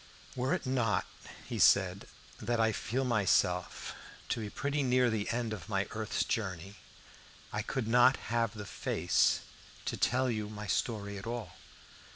"Were it not," said he, "that I feel myself to be pretty near the end of my earth's journey, I could not have the face to tell you my story at all.